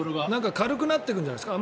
軽くなってくんじゃないですか。